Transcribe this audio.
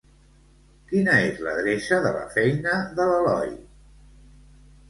Quina és l'adreça de la feina de l'Eloi?